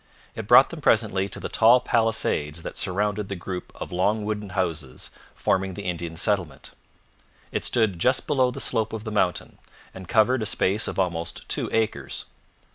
It brought them presently to the tall palisades that surrounded the group of long wooden houses forming the Indian settlement. It stood just below the slope of the mountain, and covered a space of almost two acres.